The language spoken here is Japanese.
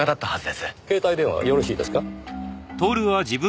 携帯電話よろしいですか？